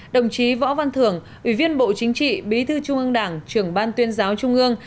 đồng chí võ văn thưởng ủy viên bộ chính trị bí thư trung ương đảng trưởng ban tuyên giáo trung ương